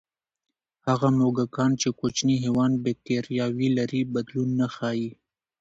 هغه موږکان چې کوچني حیوان بکتریاوې لري، بدلون نه ښيي.